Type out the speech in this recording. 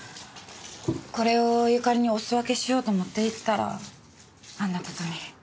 これを由佳里にお裾分けしようと持って行ったらあんな事に。